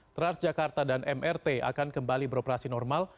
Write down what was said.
transjakarta dan mrt akan kembali beroperasi normal